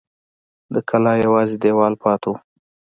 د کلا یوازې دېوال پاته و.